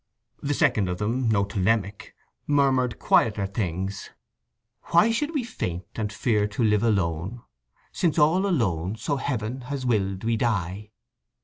The second of them, no polemic, murmured quieter things: Why should we faint, and fear to live alone, Since all alone, so Heaven has will'd, we die?